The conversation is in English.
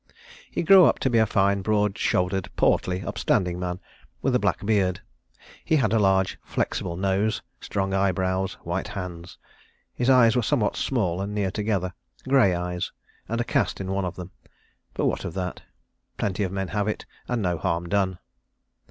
He grew up to be a fine, broad shouldered, portly, upstanding man, with a black beard; he had a large, flexible nose, strong eyebrows, white hands. His eyes were somewhat small and near together; grey eyes, and a cast in one of them. But what of that? Plenty men have it, and no harm done.